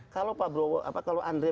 kalau pak prabowo apa kalau andre